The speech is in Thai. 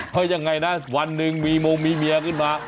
เพราะยังไงนะวันหนึ่งมีมงมีเมียขึ้นมา